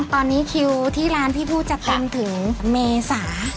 ตอนนี้คิวที่ร้านที่พูดจะเป็นถึงเมษา